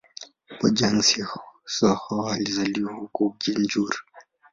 Bojang-Sissoho alizaliwa huko Gunjur.